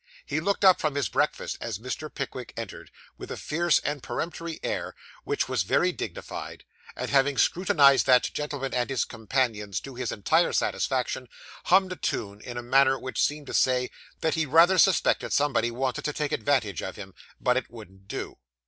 He looked up from his breakfast as Mr. Pickwick entered, with a fierce and peremptory air, which was very dignified; and, having scrutinised that gentleman and his companions to his entire satisfaction, hummed a tune, in a manner which seemed to say that he rather suspected somebody wanted to take advantage of him, but it wouldn't do.